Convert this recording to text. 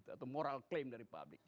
atau moral klaim dari publik